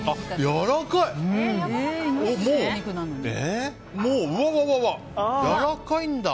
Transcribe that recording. やわらかいんだ！